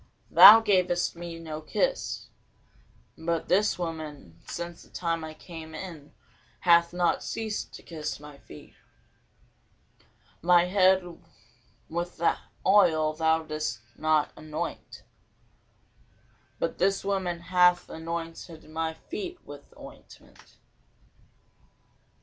Thou gavest me no kiss: but this woman since the time I came in hath not ceased to kiss my feet. My head with oil thou didst not anoint: but this woman hath anointed my feet with ointment.